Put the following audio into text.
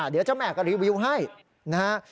เดี๋ยวเจ้าแม่ก็รีวิวให้นะฮะ